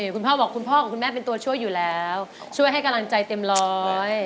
คุณพ่อบอกคุณพ่อของคุณแม่เป็นตัวช่วยอยู่แล้วช่วยให้กำลังใจเต็มร้อย